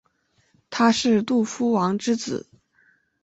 他是杜夫王之子。